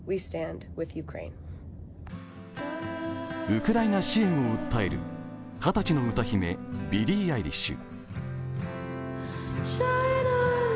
ウクライナ支援を訴える二十歳の歌姫ビリー・アイリッシュ。